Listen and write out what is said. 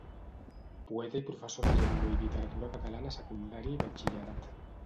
Poeta i professor de Llengua i Literatura Catalana a Secundària i Batxillerat.